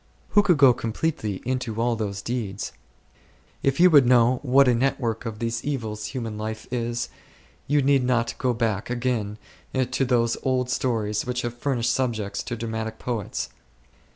Who could go completely into all those details ? If you would know what a network of these evils human life is, you need not go back again to those old stories which have furnished subjects to dramatic poets.